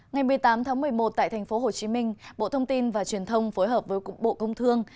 ngày một mươi tám tháng một mươi một tại tp hcm bộ thông tin và truyền thông phối hợp với cục bộ công thương